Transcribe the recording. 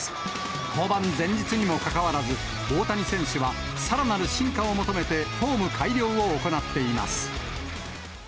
登板前日にもかかわらず、大谷選手はさらなる進化を求めて、フォーム改良を行っています。